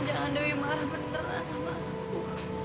jangan dewi marah beneran sama aku